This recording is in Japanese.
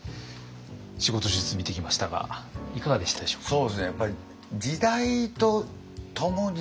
仕事術見てきましたがいかがでしたでしょうか？